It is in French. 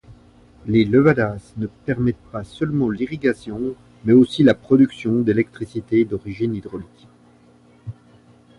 Les levadas ne permettent pas seulement l'irrigation mais aussi la production d'électricité d'origine hydraulique.